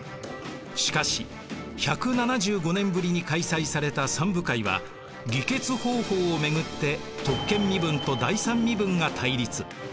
しかし１７５年ぶりに開催された三部会は議決方法を巡って特権身分と第三身分が対立。